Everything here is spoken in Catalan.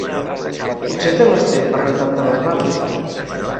Potser te l'has tret per rentar-te les mans.